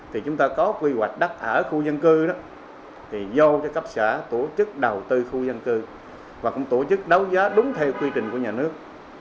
thì chúng ta có quy hoạch đất ở khu dân cư đó thì giao cho cấp xã tổ chức đầu tư khu dân cư và cũng tổ chức đấu giá đúng theo quy trình của nhà nước